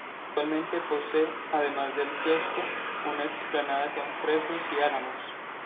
Actualmente posee, además del quiosco, una explanada con fresnos y álamos.